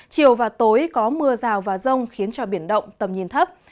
chiều và tối có mưa rào và rông khiến cho biển động tầm nhìn thấp